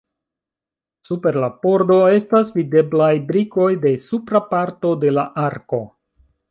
Super la pordo estas videblaj brikoj de supra parto de la arko.